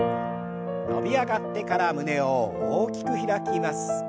伸び上がってから胸を大きく開きます。